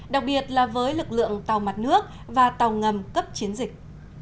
đặc biệt là với lực lượng tàu mặt nước và tàu ngầm cấp chiến dịch